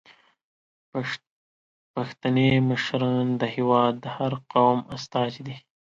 پښتني مشران د هیواد د هر قوم استازي دي.